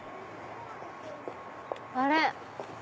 あれ？